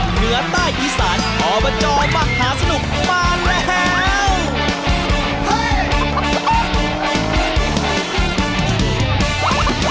เหนือใต้อีสานอบจมหาสนุกมาแล้ว